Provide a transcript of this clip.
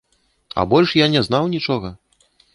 А больш я не знаў нічога.